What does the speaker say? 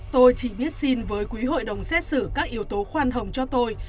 tôi chỉ biết xin với quý hội đồng xét xử các yếu tố khoan hồng cho tôi